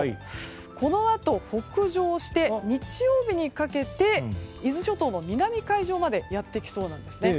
このあと、北上して日曜日にかけて伊豆諸島の南海上までやってきそうなんですね。